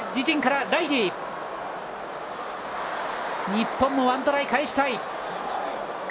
日本も１トライ、返したい！